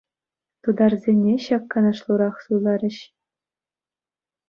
Тутарсенне ҫак канашлурах суйларӗҫ.